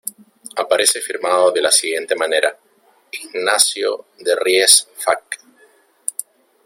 Aparece firmado de la siguiente manera: "Ignacio de Ries fac.